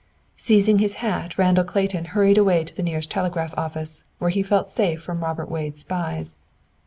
Seizing his hat, Randall Clayton hurried away to the nearest telegraph office, where he felt safe from Robert Wade's spies.